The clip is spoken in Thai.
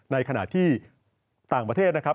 ในขณะที่ต่างประเทศนะครับ